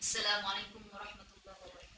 assalamualaikum warahmatullahi wabarakatuh